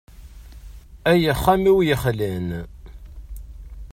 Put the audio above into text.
Ay axxam-iw yexlan!